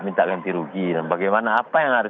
minta ganti rugi dan bagaimana apa yang harus